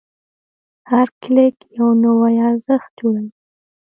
هر کلیک یو نوی ارزښت جوړوي.